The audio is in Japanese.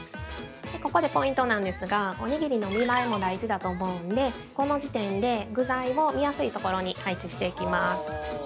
ここでポイントなんですがおにぎりの見栄えも大事だと思うんで、この時点で具材を見やすいところに配置していきます。